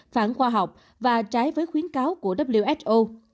phản khoa học và trái với khuyến cáo của who